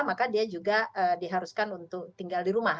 maka dia juga diharuskan untuk tinggal di rumah